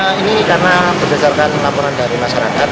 ya ini karena berdasarkan laporan dari masyarakat